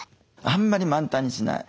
あんまり満タンにしない。